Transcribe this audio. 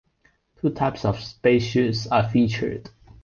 Two types of spacesuits are featured.